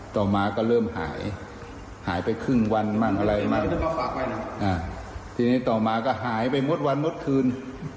ต่อมาก็เริ่มหายหายไปครึ่งวันมั่งอะไรมั่งทีนี้ต่อมาก็หายไปหมดวันมดคืน